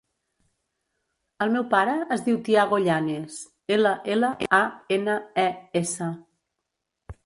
El meu pare es diu Tiago Llanes: ela, ela, a, ena, e, essa.